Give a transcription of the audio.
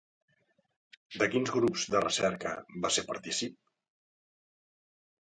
De quins grups de recerca va ser partícip?